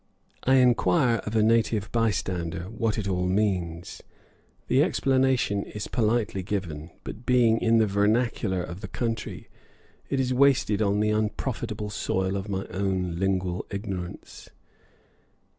I inquire of a native by stander what it all means; the explanation is politely given, but being in the vernacular of the country, it is wasted on the unprofitable soil of my own lingual ignorance.